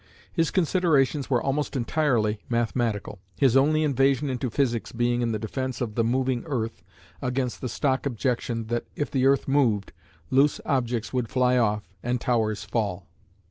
His considerations were almost entirely mathematical, his only invasion into physics being in defence of the "moving earth" against the stock objection that if the earth moved, loose objects would fly off, and towers fall.